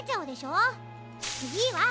いいわ！